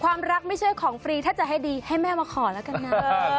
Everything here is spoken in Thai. ความรักไม่ใช่ของฟรีถ้าจะให้ดีให้แม่มาขอแล้วกันนะ